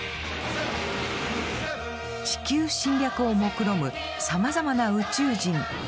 地球侵略をもくろむさまざまな宇宙人。